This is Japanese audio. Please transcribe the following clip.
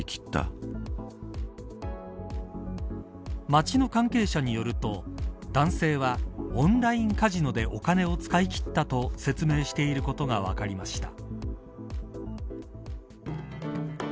町の関係者によると男性がオンラインカジノでお金を使い切ったと説明していることが分かりました。